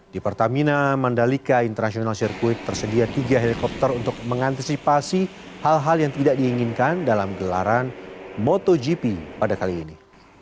di pertamina mandalika international circuit tersedia tiga helikopter untuk mengantisipasi hal hal yang tidak diinginkan dalam gelaran motogp pada kali ini